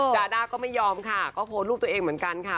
ดาด้าก็ไม่ยอมค่ะก็โพสต์รูปตัวเองเหมือนกันค่ะ